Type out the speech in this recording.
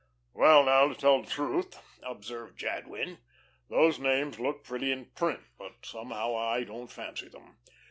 "Well now, to tell the truth," observed Jadwin, "those names look pretty in print; but somehow I don't fancy them.